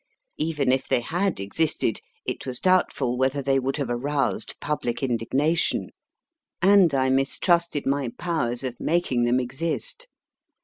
Even if they had existed, it was doubtful whether they would have aroused public indignation, and I mis trusted my powers of making them exist.